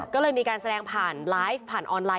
ก็เลยมีการแสดงผ่านไลฟ์ผ่านออนไลน